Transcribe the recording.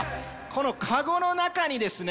このカゴの中にですね